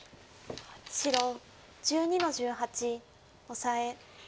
白１２の十八オサエ。